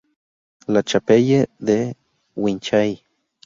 La Chapelle-de-Guinchay